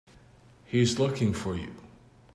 He's looking for you.